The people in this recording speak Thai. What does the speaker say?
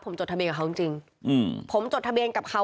กับเขาจริงผมจดทะเบียนกับเขา